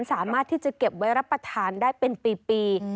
สามารถที่จะเก็บไว้รับประทานได้เป็นปี